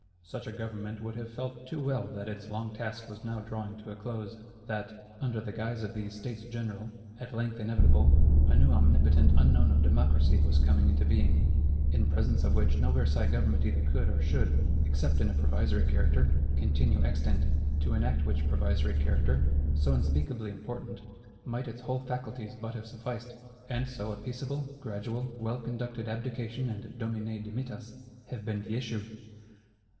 Such a Government would have felt too well that its long task was now drawing to a close; that, under the guise of these States General, at length inevitable, a new omnipotent Unknown of Democracy was coming into being; in presence of which no Versailles Government either could or should, except in a provisory character, continue extant. To enact which provisory character, so unspeakably important, might its whole faculties but have sufficed; and so a peaceable, gradual, well conducted Abdication and Domine dimittas have been the issue!